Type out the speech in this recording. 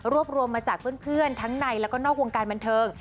รวมมาจากเพื่อนทั้งในแล้วก็นอกวงการบันเทิง